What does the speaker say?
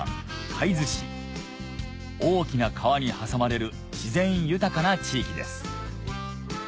海津市大きな川に挟まれる自然豊かな地域です